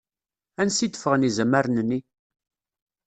Ansa i d-ffɣen izamaren-nni?